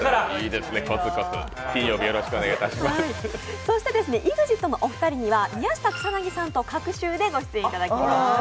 そしてＥＸＩＴのお二人には宮下草薙さんと隔週でご出演いただきます。